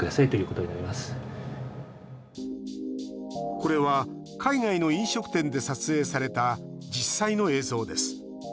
これは海外の飲食店で撮影された実際の映像です。